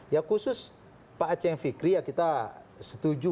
ya khusus pak aceh fikri ya kita setuju